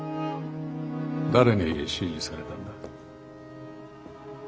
誰に指示されたんだ。